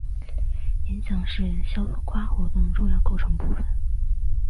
演讲是肖托夸活动的重要构成部分。